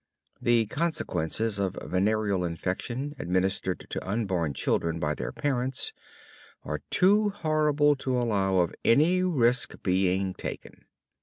The consequences of venereal infection administered to unborn children by their parents are too horrible to allow of any risk being taken.